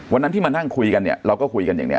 วันนั้นที่มานั่งคุยกันเนี่ยเราก็คุยกันอย่างนี้